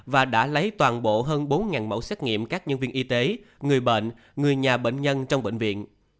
và đã lấy toàn bộ hơn bốn mẫu xét nghiệm các nhân viên y tế người bệnh người nhà bệnh nhân trong bệnh viện